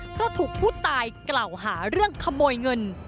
เพราะถูกผู้ตายกล่าวหาเรื่องขโมยเงิน